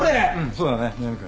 そうだね南君。